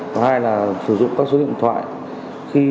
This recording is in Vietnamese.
có hai là sử dụng các số điện thoại